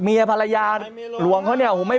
เมียหลวงให้๕๐๐เมียน้อยให้๕๐๐๐